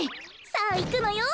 さあいくのよ。